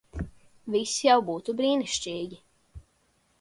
Viss jau būtu brīnišķīgi.